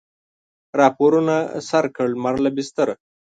راپورته سر کړ لمر له بستره